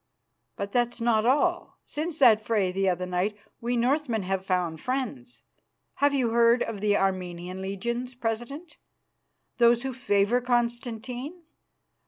But that's not all; since that fray the other night we Northmen have found friends. Have you heard of the Armenian legions, President, those who favour Constantine?